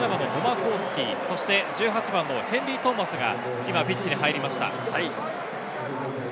１６番のディー、１７番ドマコウスキー、１８番のヘンリー・トーマスが今、ピッチに入りました。